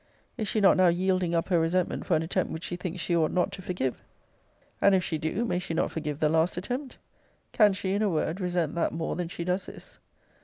Is she not now yielding up her resentment for an attempt which she thinks she ought not to forgive? And if she do, may she not forgive the last attempt? Can she, in a word, resent that more than she does this?